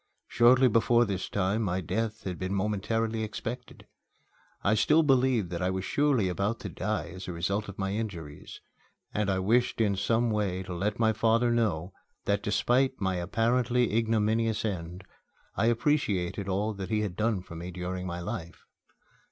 Shortly before this time my death had been momentarily expected. I still believed that I was surely about to die as a result of my injuries, and I wished in some way to let my father know that, despite my apparently ignominious end, I appreciated all that he had done for me during my life.